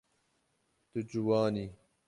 Tu ciwan î.